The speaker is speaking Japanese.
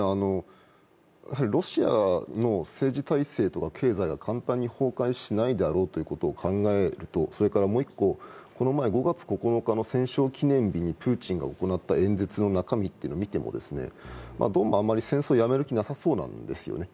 ロシアの政治体制や経済は簡単に崩壊しないであろうことを考えると、それからもう１個、この前、５月９日の戦勝記念日にプーチンが行った演説の中身を見てもどうも戦争をやめる気はなさそうなんてすよね。